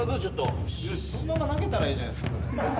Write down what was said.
そのまま投げたらいいじゃないっすかそれ。